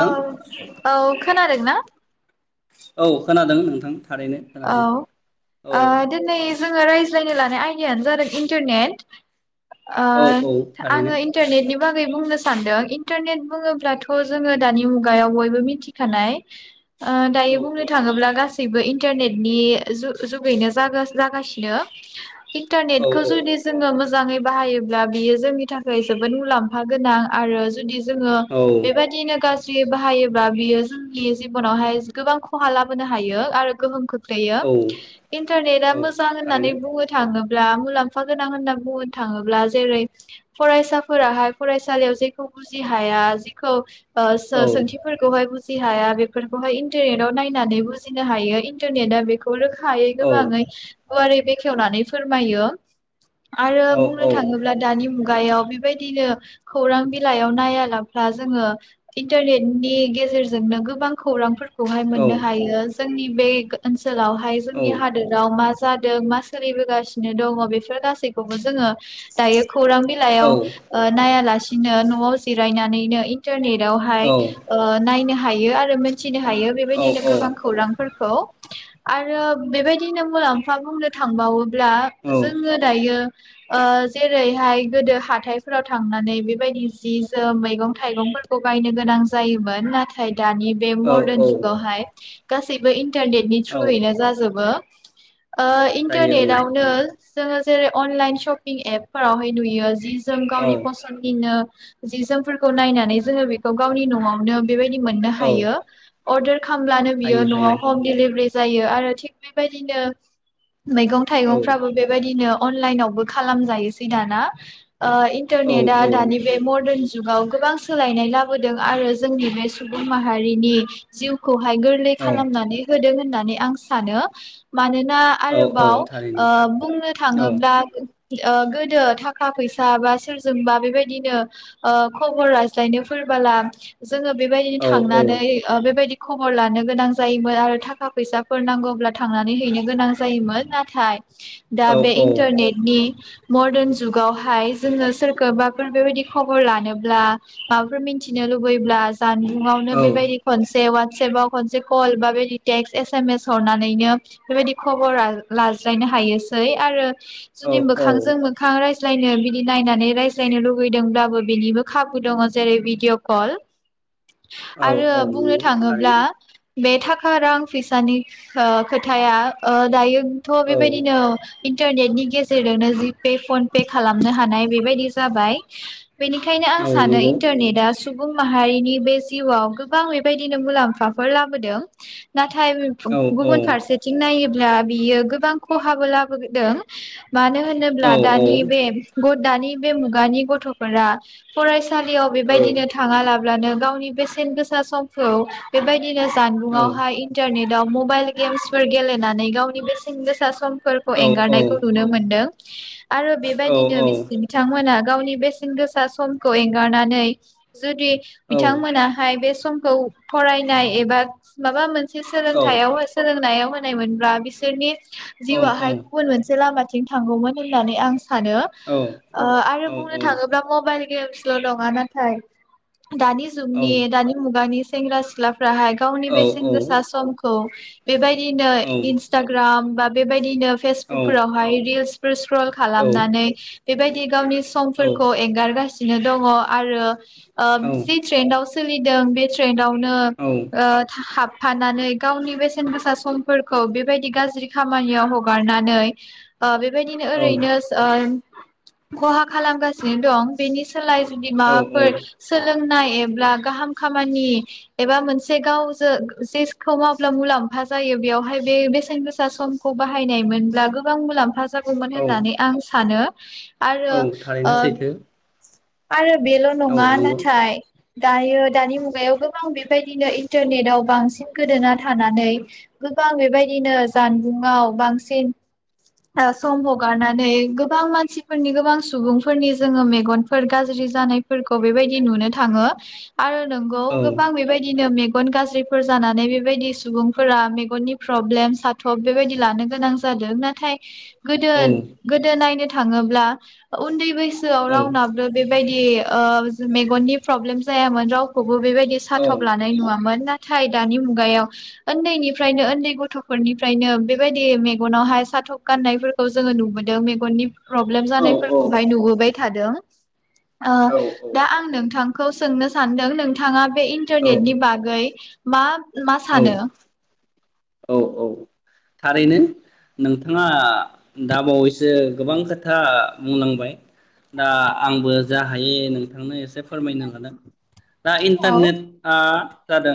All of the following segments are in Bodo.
औ औ खोनादों ना? औ खोनादों नोंथां थारैनो औ खोनादों औ ओ दिनै औ जोङो रायज्लायनो लानो आयदायानो जादों इन्टारनेट। ओ औ औ थारैनो आङो इन्टारनेटनि बागै बुंनो सानदों इन्टारनेट बुङोब्लाथ' जोङो दानि मुगायाव बयबो मिथिखानाय ओ दायो औ बुंनो थाङोब्ला गासै जेरै बो एन इन्टारनेटनि जुग जुगैनो जागासिनो। औ इन्टारनेटखौ जुदि जोङो मोजां मोजाङै बाहायोब्ला बियो जोंनि थाखाय जोबोद मुलाम्फा गोनां आरो जुदि जोङो औ बेबायदिनो गा ज्रि बाहायोब्ला बियो जोंनि जिबनावहाय गोबां खहा लाबोनो हायो आरो गोहोम खोख दैयो, औ इन्टारनेटआ औ मोजां होननानै थारैनो बुंनो थाङो ब्ला मुलाम्फा गोनां होनना बुंनो थाङोब्ला जेरै फरायसाफोराहाय फरायसालियाव जेखौ बुजि हाया जेखौ ओ सो औ सोंथिफोरखौहाय बु बुजिहाया बेफोरखौहाय इन्टारनेटाव नायनानै बुजिनो हायो इन इन्टारनेटा बेखौ रोख हायो औ गोबाङै गुवारै बेखेवनानै फोरमायो। आरो औ बुंनो औ थाङोब्ला दानि मुगायाव बेबायदिनो खौरां बिलाइयाव नायालाबा जोङो इन्टारनेटनि गेजेरजोंनो गोबां खौरां खौहाय औ मोननो हायो जोंनि बे [unintelligible] ओनसोलावहाय जोंनि औ हादोराव मा जा जादों मा सोलिबोगासिनो दङ बेफोर गासैखौबो जोङो दायो खौारां बिलाइयाव ओ नायालासिनो बिदिनो नआव जिरायनानैनो इन्टारनेट यावहाय ओ नायनो हायो आरो मोन। थिनो हायो बेबायदिनो औ गोबां खौरांफोर। खौ आरो बेबायदिनो मुलाम्फा बुंनो थांबाबो ब्ला औ जोङो दायो। ओ जेरैहाय गोदो हाथायफोराव थांनानै बेबायदि जि जोम मैगं थायगंफोरखौ बायनो गोनां जायोमोन नाथाय। दानि बे औ मर्दन जुगावहाय। गासैबो इन्टारनेट इनि थ्रुयैनो जाजोबो। ओ जायो इन्टारनेटावनो जोंङो जेरै अनलाइन शपिं एप फोरावहाय नुयो जि जों औ गावनि औ फसन्दनिनो जि जोमफोरखौ नायनानै जोंङो बेखौ गावनि नआवनो बेबायदि मोननो औ हायो । अर्डार। खालामब्लानो बियो हायो हायो नआव हम दिलि जायो आरो थि बेबायदिनो। मैगं औ थाइगंफ्राबो बेबायदिनो अनलाइनावबो खालामजायोसै दाना। ओ औ इन्टारनेटआ दानि बे मदार्न जुगाव गोबां सोलायनाय लाबोदों आरो जोंनि बे सुबुं माहारिनि जिउ। खौहाय गोरलै औ खालामनानै होदों। होननानै आं सानो मानो ना औ औ आरोबाव थारैनो बुंनो औ थाङोब्ला। ओ गोदो थाखा फैसा बा सोरजोंबा बेबायदिनो खबर लाज्लायनो फोरबोला। जोंङो बेबायदिनो औ थांनानै बेबायदि। खबर लानो गोनां जायोमोन आरो थाखा फैसाफोर नांगौ अब्ला थांनानै हैनो गोनां जायोमोन नाथाय दा औ बे औ इन्टारनेटनि। मर्दार्न जुगावहाय जोंङो सोरखौबाफोर बेबायदि खबर लानोब्ला माबाफोर मिथिनो लुबैब्ला जानबुंआवनो बेबायदि खनसे सोरबा खनसे कल बा बेदि टेक्स्ट एस एम एस हरनानैनो बेबायदि खबर [unintelligible] लाज्लायनो हायोसै आरो औ जुदि औ औ मोखांजों मोखां राय ज्लायनो बिदि नायनानै रायज्लायनो लुगैदोंब्लाबो बेनिबो खाबु दङ जेरै भिडिअ कल। औ आरो बुंनो नंगौ थाङोब्ला थारैनो बे थाखा रां फैसानि ओ खोथाया ओ दायो थ औ बेबायदिनो इन्टारनेटनि गेजेरजोंनो जी पे, फन पे खालामनो हानाय बेबायदि जाबाय। बेनिखायनो औ आं सानो नंगौ इन्टारनेटआ सु सुबुं माहारिनि बे जिउआव गोबां बेबायदिनो मुलाम्फाफोर लाबोदों। नाथाय बे औ [unintelligible] गुबुन फारसेथिं नायो दा बियो गोबां खहाबो लाबो [unintelligible] दों मानो औ होनोब्ला दानि बे गथ दानि बे मुगानि गथ'फोरा फरायस सालियाव बेबायदिनो थाङालाब ब्लानो गावनि बेसेन गोसा समखौ बेबाय [unintelligible] औ जानबुङावहाय नेटाव मबाइल गेम्स फोर गेलेनानै गावनि बेसेन गोसा सम औ फोरखौ औ एंगारनायखौ नुनो मोनदों। आरो बेबायदिनो बिसि बिथांमोना गावनि बेसेन गोसा समखौ एंगारनानै जुदि बिथांमोनाहाय बे समखौ फरायनाय एबा माबा मोन सो-सोलोंथायाव होन सोलोंनायाव होन नायमोनब्ला बिसोरनि जिउआाहाय गुबुन मोनसे लामा थांगौमोन होननानै आं सानो ओ आरो बुंनो थाङोब्ला मबाइल गेमसल नङा नाथाय दानि जुगनि दानि मुगानि सेंग्रा सिख्ला फोराहाय गावनि औ बेसेन गो समखौ बेबाय दिनो इनस्तग्राम बा बेबायदिनो फेसबुकफोरावहाय रिल्स सक्रल खालामनानै बेबायदि गावनि समफोरखौ एंगारगासिनो बिदिनो दङ आरो अ जि ट्रेन्डआव सोलिदों बे ट्रेन्डआव नो ओ थाहाब थानानै गावनि बेसेन गोसा समफोरखौ बेबायदि गाज्रि खामानियाव हगारनानै अ बेबायदिनो ओरैनो अ खहा खालामगासिनो दं बेनि स सोलाय जुदि औ माबाफोर सोलों होननाय एब्ला गाहाम खामानि एबा मोनसे गावजों जेसखौ मावला मुलाम्फा जायो बेयावहाय बे बेसेन गोसा समखौ बाहायनाय मोनब्ला गोबां मुलाम्फा जागोन हौमोन औ होननानै आं सानो। [inaudible] औ आरो ओ थारैनो सैथो आरो बेल' औ नङा नंगौ नाथाय दायो दानि मुगायाव गोबां बेबायदिनो इन्टारनेटआव बांसिन बांसिन गोदोना थानानै गोबां बेबायदिनो जानबुंआव बांसिन ओ सम हगारनानै गोबां मानसिफोरनि गोबां सुबुंफोरनि जोङो मेगनफोर गाज्रि जानायफोरखौ बेबायदि नुनो थाङो। आरो नोंगौ औ गोबां बेबायदिनो मे मोन गाज्रिब फोर जानानै बेबायदि सुबुंफोरा मेगननि प्रब्लेम साथ'ब बेबायदि लानो गोनां जादों। नाथाय गोदो औ -गोदो नायनो थाडो थाङोब्ला उन्दै बैसो गोसोआव औ रावनाबो बेबायदि अ मेगननि प्र्रब्लेम जायामोन रावखौबो बो बेबायदि औ साथब लानाय नुामोन नाथाय थाय दानि मुगायाव उन्दैनिफ्रायनो उन्दै गथ'फोरनिफ्रायनो बेबायदि मेगनावहाय साथ'ब गाननायफोरखौ जोङो नुबोदों मेगननि प्रब्लेम जानायफोरखौहाय नुबोबाय थादों ओ औ दा आं नोंथां खौ सोंनो सानदों नोंथाङा इन्टारनेट नि बागै मा मा सानो? औ औ थारैनो नोंथाङा दाबावैसो गोबां खोथा बुंलांबाय दा आंबो जा हायो नोंथांनो एसे फोरमायनो लादों दा औ इन्टारनेटआ जादों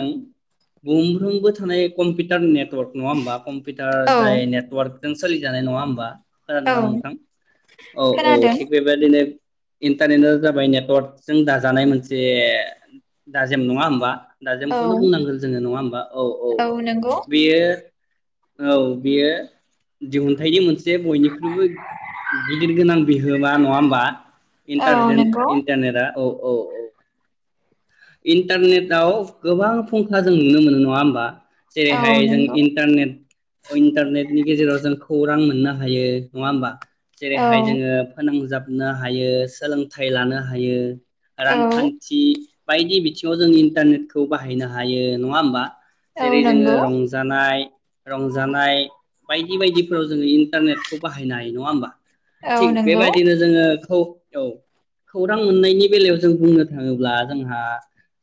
गंफ्रोमबो थानाय कम्पिउटार नेट [unintelligible] नङा होनबा कम्पिउटार औ जाय नेटअवार्क जों सोलिजानाय नङा होमबा? खोनादों औ ना नोंथां औ औ खोनादों थिग बेबायदिनो इन्टारनेटआ जाबाय नेटवार्कजों दाजानाय मोनसे दाजेम नङा होमबा? दा औ जोंखौनो बुंनांगोन नङा होमबा औ औ बेयो औ बेयो दिहुनथाइनि मोनसे बयनिख्रुइबो गिदिर गोनां बिहोमा नङा होमबा? इन्टारजेन इन्टारनेटआ औ औ औ इन्टारनेटआव गोबां फुं [unintelligible] जों नुनो मोनो नङा होमबा? जेरैहाय जों इन्टारनेट ओइन्टारनेटनि गेजेराव जों खौरां मोननो हायो नङा होमबा? औ जेरैहाय जोङो फोनांजाब मोननो हायो सोलोंथाइ लानो हायो। रांखान्थि बायदि बिथिङाव जों इन्टारनेटखौ बाहायना हायो नङा होमबा? औ जेरै जोङो रंजानाय रंजानाय बायदि बायदिफोराव जोङो इन्टारनेटखौ बाहायनो हायो नङा होमबा औ थिग नंगौ बेबायदिनो जोङो औ औ खौरां मोननायनि बेलायाव जों बुंनो थाङोब्ला जोंहा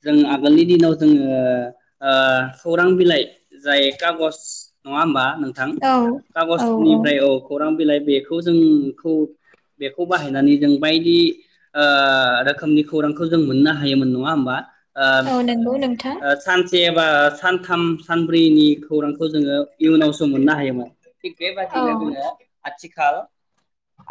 जों आगोलनि दिनाव जोङो ओ ओ खौरां बिलाइ जाय खागस नङा होमबा नोंथां औ खागजनिफ्राय औ खौरां बिलाइ बेखौ जों खौ बेखौ बाहायनानै जों बायदि ओ रोखोमनि खौरांखौ जों मोननो हायोमोन नङा होमबा? ओ औ नंगौ नोंथां। ओ सानसे एबा सानथाम सानब्रैनि खौरांखौ जोङो इयुनावसो मोननो हायोमोन। थिग औ बेबायदिनो जोङो आथि खाल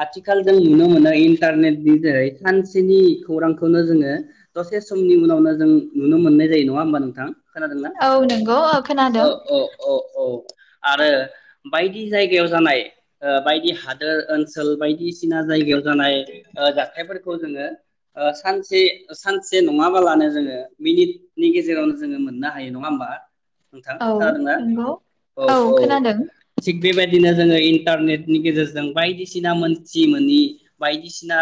आथिखाल जों नुनो मोनो इन्टारनेटनि जोहै सानसेनि खौरांखौनो जोङो दसे समनि उनावनो जों नुनो मोननाय जायो नङा होनबा नोंथां? खोनादोंना? औ नंगौ खोनादों औ औ औ औ। आरो बायदि जायगायाव जानाय बायदि हादोर ओनसोल बायदिसिना जायगायाव जानाय ओ जाथायफोरखौ जोंङो ओ सानसे सानसे नङाबालानो जोङो मिनिट नि गेजेरावनो जोङो मोननो हायो, नङा होमबा? नोंथां औ खोनादों ना नंगौ औ औ थिग बेबायदिनो जोङो इन इन्टारनेटनि गेजेरजों बायदिसिना मोनथि मोनि बायदिसिना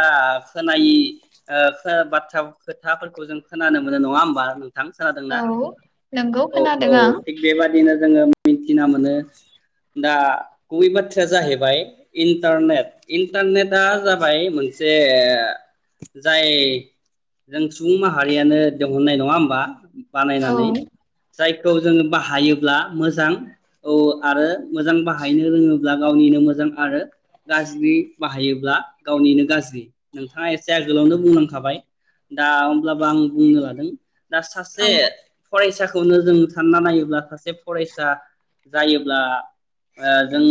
खोनायि ओ बाथ्रा खोथाफोरखौ जों खोनानो मोनो नङा होमबा नो थां औ खोनादोंना नोंगौ औ खोनादों औ आं थिग बेबादिनो जोङो [unintelligible] ना मोनो। दा गुबै बाथ्राया जाहैबाय इन्टारनेट। टारनेटआ जाबाय मोनसे जाय जों सुबुं माहारियानो दिंहुननाय नङा होमबा। [unintelligible] औ बानायनानै जायखौ जोङो बाहायोब्ला मोजां औ आरो। मोजां बाहायनो रोङो। ब्ला गावनिनो मोजां आरो। गाज्रि। बाहायोब्ला गावनिनो गाज्रि नोंथाङा एसे आगोलावनो बुंलांखाबाय दा होमब्लाबो आं बुंनो लादों दा औ सासे फरायसाखौ खौनो जों सानना नायोब्ला सासे फरायसा जायोब्ला ओ जों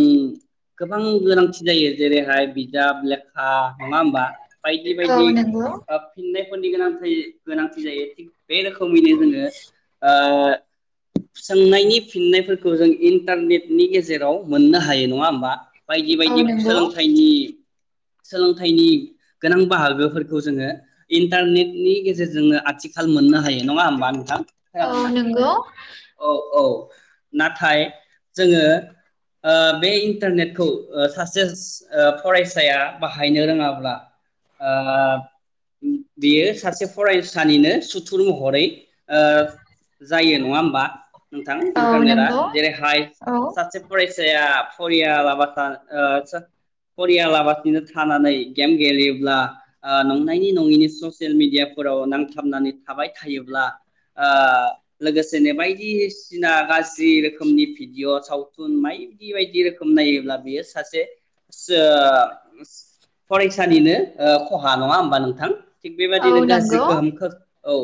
गोबां गोनांथि जायो जेरैहाय बिजाब लेख आ नङा होमबा बायदि औ बायदि नोंगौ ओ फिन्नाय फोरनि गोनांथि गोनांथि जायो बे रोखोमैनो जोङो ओ सोंनायनि फिननायफोरखौ जों इन्टारनेटनि गेजेराव मोननो हायो नङा होमबा बायदि औ बायदि नोंगौ सोलोंथाइनि सोलोंथाइनि गोनां बाहागोफोरखौ जोङो इन्टारनेटनि गेजेरजोंनो आथिखाल मोननो हा जायो नङा होमबा नोंथां औ नोंगौ औ औ नाथाय जोङो ओ बे इन्टारनेटखौ ओ सासे फरायसाया बाहायनो रोङाब्ला ओ बेयो सासे फरायसानिनो सु थुर महरै ओ जायो नङा होमबा नोंथां औ इन्टारनेटआ नोंगौ जेरैहाय औ सासे फराय साया फरियालाबा थाना ओ फरियालाबासिनो थानानै गेम गेलेयोब्ला ओ नंनायनि नङिनि ससियेल मिडियाफोराव नांथाबनानै थाबाय थायोब्ला ओ लोगोसेनो बायदिसिना गाज्रि रोखोमनि भिडिअ सावथुन बायदि बायदि रोखोम नायोब्ला बेयो सासे सो फरायसानिनो खहा नङा होमबा नोंथां थिग बेबायदिनो औ गाज्रि नोंगौ गोहोम खो औ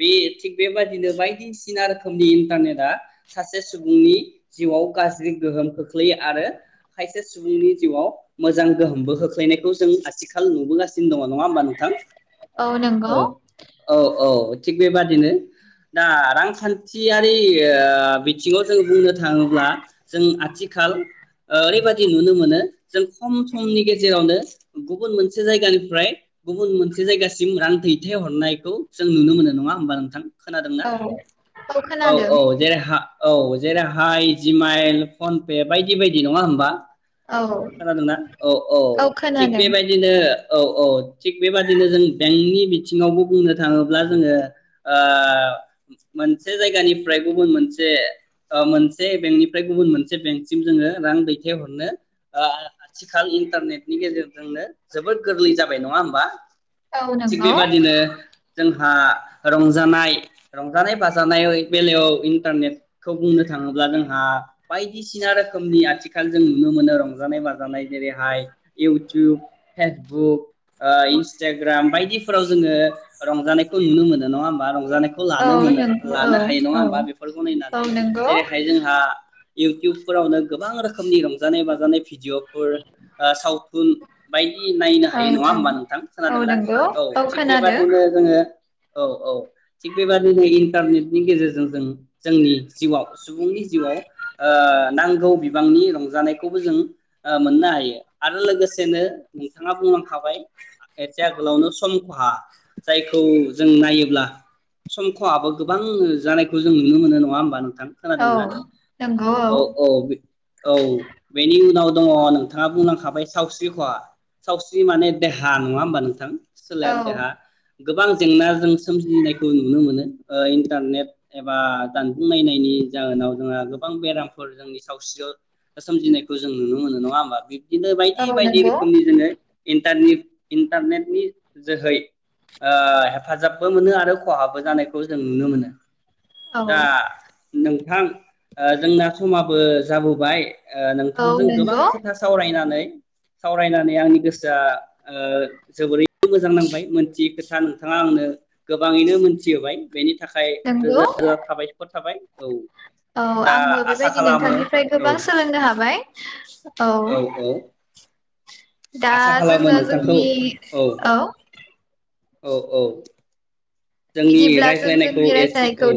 बे थिग बेबादिनो बायदिसिना रोखोमनि इन्टारनेटआ सासे सुबुंनि जिउआव गाज्रि गोहोम खोख्लैयो आरो खायसे सुबुंनि जिउआव मोजां गोहोमबो खोख्लैनायखौ जों आथिखाल नुबोगास [unintelligible] दङ नङा होमबा नोंथां औ नोंगौ ओ औ थिग बेबादिनो दा रांखान्थियारि बिथिङाव जों बुंनो थाङोब्ला जों आथिखाल ओरैबाददि नुनो मोनो जों खम समनि गेजेरावनो गुबुन मोनसे जायगानिफ्राय गुबुन मोनसे जायगासिम रां दैथाय हरनाय खौ जों नुनो मोनो नङा होमबा नोंथां खोनादोंना? औ औ खोनादों औ-औ जेरै हा औ जेरैहाय जिमाइल फनपे बायदि बायदि नङा होमबा औ खोनादोंना औ औ थिग बेबायदिनो औ औ थिग बेबादिनो जों बेंकनि बिथिङावबो बुंनो थाङोब्ला जोङो ओ मोनसे जायगानिफ्राय गुबुन मोनसे ओ मोनसे बेंकनिफ्राय गुबुन मोनसे बेंकसिम जोङो रां दैथायहरनो ओ आथिखाल इन्टारनेटनि गेजेरजोंनो जोबोर गोरलै जाबाय नङा होमबा औ थिग नोंगौ बेबादिनो जों आ रंजानाय रंजानाय बा जानाय वै बेलायाव इन्टारनेटखौ बुंनो थाङोब्ला जोंहा बायदिसिना रोखोमनि आथिखाल जों नुनो मोनो रंजानाय बाजानाय जेरैहाय इउटुब, फेसबुक ओ इन्स्टाग्राम बायदिफोराव जोङो रंजानायखौ नुनो मोनो नङा होमबा रंजा जानायखौ औ लानो मोनो नोंगौ लानो हायो नङा औ होमबा बेफोरखौ औ नायनानै नोंगौ औ जेरैहाय जोंहा इउटुबफोरावनो गोबां रोखोमनि रंजानाय बाजानाय भिडिअ फोरा सावथुन बायदि नायनो हायो नङा होमबा नोंथां औ खोनादोंना नोंगौ औ थिग खोनादों बेबादिनो जोङो औ औ थिग बेबादिनो इन्टारनेटनि गेजेरजों जों जोंनि जिउआव सुबुंनि जिउआव ओ नांगौ बिबांनि रंजानायखौबो जों ओ मोननो हायो आरो लोगोसेनो नोंथाङा बुंलांखाबाय एसे आगोलावनो सम खहा जायखौ जों नायोब्ला सम खहाबो गोबां जानायखौ जों नुनो मोनो नङा होमबा नों थां औ खोनादोंना नोंगौ औ औ औ बेनि उनाव दङ नोंथाङा बुंलांखाबाय सावस्रि खहा। सावस्रि माने देहा नङा होमबा नोंथां? सोलेर औ देहा औ गोबां जेंनाजों सोमजिनायखौ नुनो मोनो ओ इन्टारनेट एबा जानबुं नायनायनि जाहोनाव जोंहा गोबां बेरामफोर जोंनि सावस्रियाव सोमजिनायखौ जों नुनो मोनो नङा होमबा बे बिदिनो बायदि औ बायदि नोंगौ रोखोमनि औ जोङो दानि इन्टारनेटनि जोहै ओ हेफाजाबबो मोनो आरो खहाबो जानाय खौ जों नुनो मोनो दा नोंथां जोंना समाबो जाबोबाय औ नोंथांजों गोबां नोंगौ खोथा सावरायनानै सावरायनानै आंनि गोसोआ ओ जोबोरै मोजां नांबाय मोनथि खोथा नोंथाङा आंनो गोबाङैनो मोनथिहोबाय। बेनि थाखाय रोजा नोंगौ रोजा साबायखर थाबाय। औ औ दा आंबो आसा बेबायदि खालामो नोंथांनिफ्राय औ गोबां सोलोंनो हाबाय औ दा आसा खालामो जोङो नोंथांखौ जोंनि औ औ औ जोंनि बिदिब्ला जों रायज्लायनायखौ जोंनि एसे रायज्लायनायखौ औ